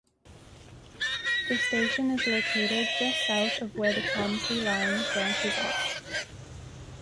The station is located just south of where the Tonsley line branches off.